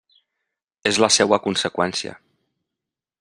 És la seua conseqüència.